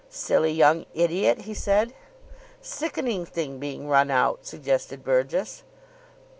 "Silly young idiot," he said. "Sickening thing being run out," suggested Burgess.